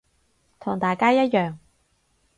同大家一樣